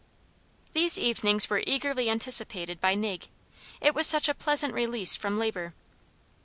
These evenings were eagerly anticipated by Nig; it was such a pleasant release from labor.